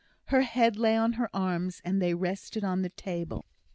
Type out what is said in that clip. Her head lay on her arms, and they rested on the table.